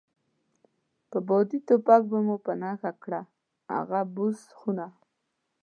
په بادي ټوپک به مو په نښه کړه، هغه بوس خونه.